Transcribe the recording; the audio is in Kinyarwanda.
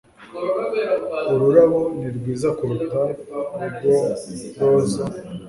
Ururabo ni rwiza kuruta urwo roza